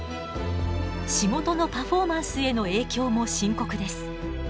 仕事のパフォーマンスへの影響も深刻です。